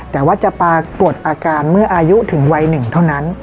แต่ว่าจะปรากฏอาการเมื่ออายุถึงวัย๑เท่านั้น